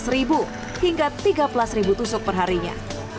seribu hingga tiga belas ribu tusuk perharinya